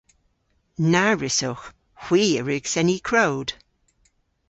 Na wrussowgh. Hwi a wrug seni krowd.